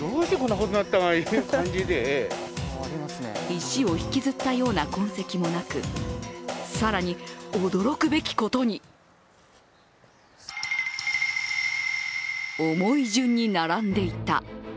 石を引きずったような痕跡もなく、更に驚くべきことに重い順に並んでいた。